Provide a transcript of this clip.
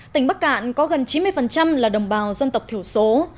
tỉnh bắc cạn có gần chín mươi là đồng bào dân tộc thiểu số